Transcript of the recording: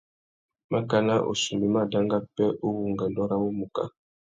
Makana « ussumbu i má danga pêh uwú ungüêndô râ wumuká ».